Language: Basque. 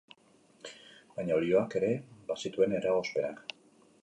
Baina olioak ere bazituen eragozpenak.